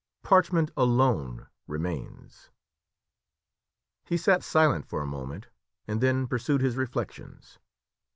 Parchment alone remains!" He sat silent for a moment, and then pursued his reflections.